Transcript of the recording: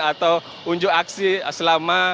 atau unjuk aksi selama